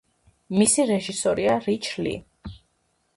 მისი რეჟისორია რიჩ ლი.